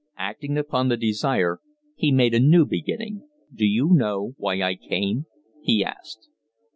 Acting upon the desire, he made a new beginning. "Do you know why I came?" he asked.